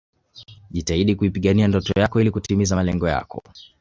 Jitahidi kuipigania ndoto yako ili kutimiza malengo yako